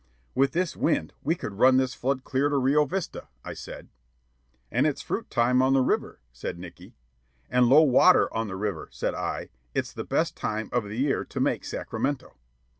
"With this wind, we could run this flood clear to Rio Vista," I said. "And it's fruit time on the river," said Nickey. "And low water on the river," said I. "It's the best time of the year to make Sacramento."